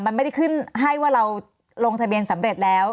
มันไม่ได้ขึ้นให้ว่าเราลงทะเบียนสำเร็จแล้ว